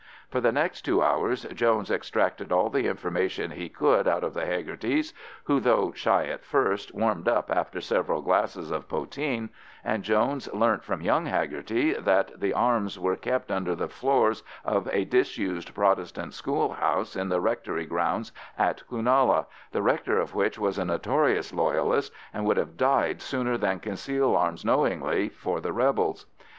For the next two hours Jones extracted all the information he could out of the Hegartys, who, though shy at first, warmed up after several glasses of poteen, and Jones learnt from young Hegarty that the arms were kept under the floors of a disused Protestant school house in the rectory grounds at Cloonalla, the rector of which was a notorious Loyalist, and would have died sooner than conceal arms knowingly for the rebels.